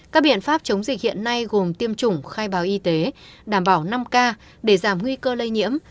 các biện pháp chống dịch hiện nay gồm tiêm chủng khai báo y tế đảm bảo năm k để giảm nguy cơ lây nhiễm